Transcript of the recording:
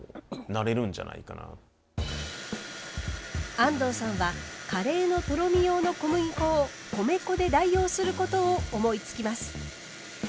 安藤さんはカレーのとろみ用の小麦粉を米粉で代用することを思いつきます。